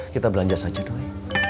kita belanja saja doi